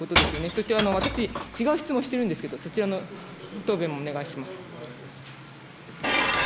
そして私、違う質問してるんですけど、そちらのご答弁もお願いします。